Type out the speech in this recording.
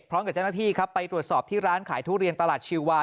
พร้อมกับเจ้าหน้าที่ครับไปตรวจสอบที่ร้านขายทุเรียนตลาดชีวา